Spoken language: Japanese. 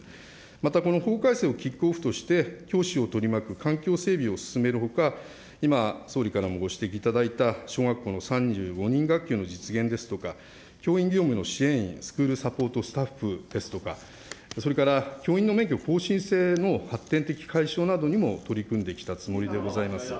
また、この法改正をキックオフとして、教師を取り巻く環境整備を進めるほか、今、総理からもご指摘いただいた、小学校の３５人学級の実現ですとか、教員業務の支援員、スクールサポートスタッフですとか、それから教員の免許更新性の発展的解消などにも取り組んできたつもりでございます。